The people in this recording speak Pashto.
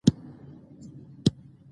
هغه وویل چې تودوخه د بدن اصلي ثبات ساتي.